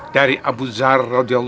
dari abu zar